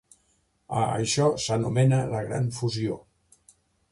A això s'anomena la Gran Fusió.